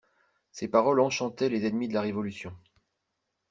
Ces paroles enchantaient les ennemis de la Révolution.